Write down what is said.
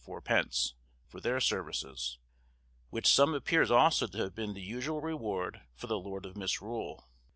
_ for their services, which sum appears also to have been the usual reward for the lord of Misrule.